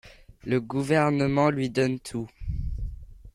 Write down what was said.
Le gouvernement lui donne tout.